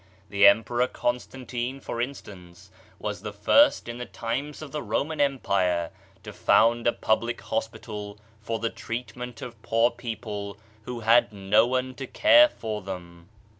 The Emperor Constantine, for instance, was the first in the times of the Roman empire to found a public hospital for the treat ment of poor people who had no one to care for them.